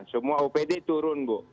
semua bpd turun bu